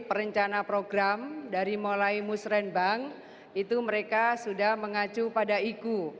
perencana program dari mulai musrembang itu mereka sudah mengacu pada igu